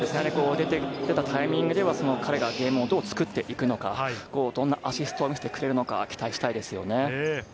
出たタイミングでは彼がゲームをどう作っていくのか、どんなアシストを見せてくれるのか期待したいですね。